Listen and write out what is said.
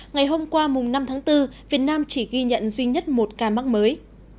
ngày hôm qua năm tháng bốn việt nam chỉ ghi nhận duy nhất một ca mắc mới